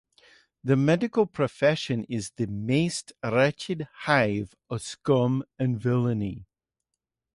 The medical profession is the most wretched hive of scum and villainy.